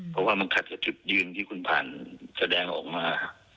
เพราะว่ามันขาดสถิตย์ยืนที่คุณพรรณแสดงออกมา